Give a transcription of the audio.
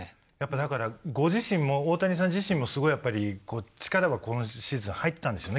だからご自身も大谷さん自身もすごいやっぱり力は今シーズン入ってたんでしょうね。